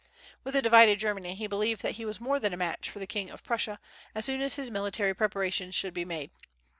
With a divided Germany, he believed that he was more than a match for the king of Prussia, as soon as his military preparations should be made.